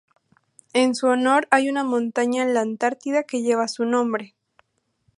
En su honor, hay una montaña en la Antártida que lleva su nombre.